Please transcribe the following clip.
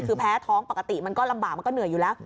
คือแพ้ท้องปกติมันก็ลำบากมันก็เหนื่อยอยู่แล้ว